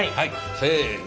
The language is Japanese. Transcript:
せの。